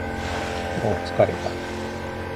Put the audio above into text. もう疲れた